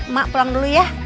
ma pulang dulu ya